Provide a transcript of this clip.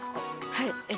はい。